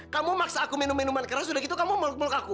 kamu maksa aku minum minuman keras udah gitu kamu makluk muluk aku